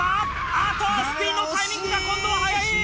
あっとスピンのタイミングが今度は早い！